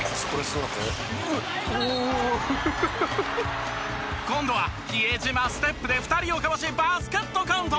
うっううっ！フフフ」今度は比江島ステップで２人をかわしバスケットカウント。